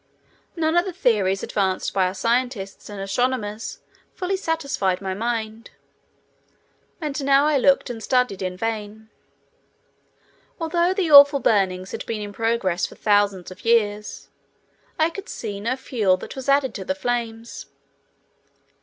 None of the theories advanced by our scientists and astronomers fully satisfied my mind. And now I looked and studied in vain. Although the awful burnings had been in progress for thousands of years, I could see no fuel that was added to the flames.